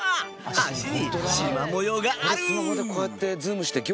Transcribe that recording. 脚にしま模様がある！